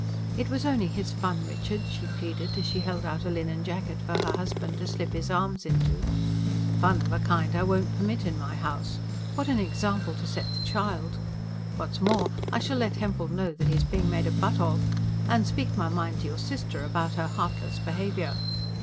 "It was only his fun, Richard," she pleaded, as she held out a linen jacket for her husband to slip his arms into. "Fun of a kind I won't permit in my house. What an example to set the child! What's more, I shall let Hempel know that he is being made a butt of. And speak my mind to your sister about her heartless behaviour."